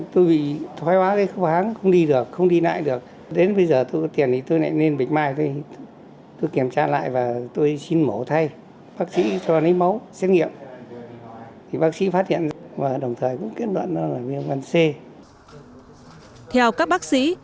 theo các bác sĩ